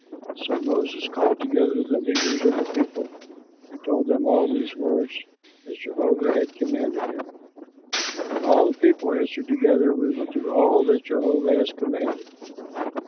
'" So Moses called together the leaders of the people and told them all these words, as Jehovah had commanded him. And all the people answered together, "We will do all that Jehovah has commanded."